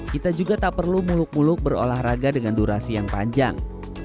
kita juga tak perlu muluk muluk berolahraga dengan durasi yang panjang